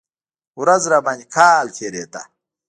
ورځ راباندې کال تېرېده.